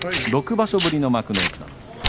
６場所ぶりの幕内です。